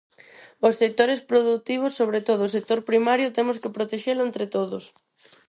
Os sectores produtivos, sobre todo o sector primario, temos que protexelo entre todos.